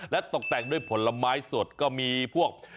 และตกแต่งด้วยผลไม้สดก็มีพวก